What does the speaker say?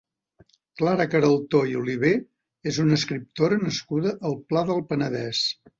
Clara Queraltó i Olivé és una escriptora nascuda al Pla del Penedès.